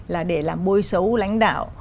là để làm bôi xấu lãnh đạo